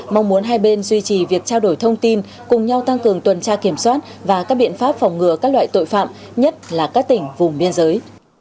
mong muốn hai bên duy trì việc trao đổi thông tin cùng nhau tăng cường tuần tra kiểm soát và các biện pháp phòng ngừa các loại tội phạm nhất là các tỉnh vùng biên giới